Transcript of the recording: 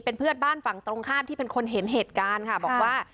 เป็นเพื่อนบ้านฝั่งตรงข้ามที่เป็นคนเห็นเหตุการณ์ค่ะบอกว่า